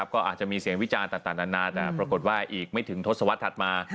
ก็อาจจะมีเสียงวิจารณ์ต่างนานาแต่ปรากฏว่าอีกไม่ถึงทศวรรษถัดมา